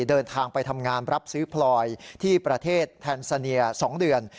เดินทางไปทำงานรับซื้อพลอยที่ประเทศแทนซาเนีย๒เดือน